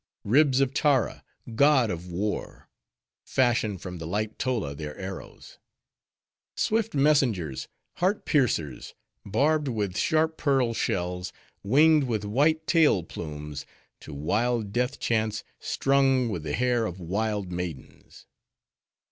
Ribs of Tara, god of War! Fashioned from the light Tola their arrows; Swift messengers! Heart piercers! Barbed with sharp pearl shells; Winged with white tail plumes; To wild death chants, strung with the hair of wild maidens!